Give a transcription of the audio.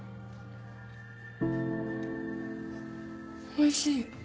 おいしい